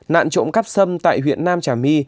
nạn trộm cắp sâm tại huyện nam trà my